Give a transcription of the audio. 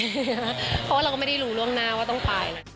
เพราะว่าเราก็ไม่ได้รู้ล่วงหน้าว่าต้องตาย